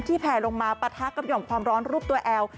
ที่แผ่ลงมาประทักษ์กับหย่อมความร้อนรูปตัวแอล